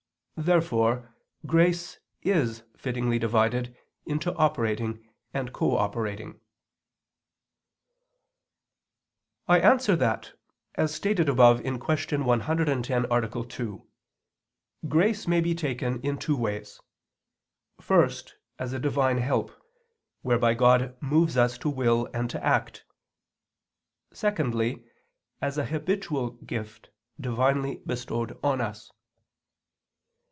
Therefore grace is fittingly divided into operating and cooperating. I answer that, As stated above (Q. 110, A. 2) grace may be taken in two ways; first, as a Divine help, whereby God moves us to will and to act; secondly, as a habitual gift divinely bestowed on us.